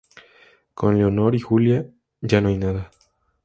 con Leonor. ¿ y Julia? ¿ ya no hay nada?